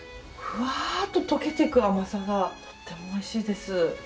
ふわっと溶けていく甘さがとってもおいしいです。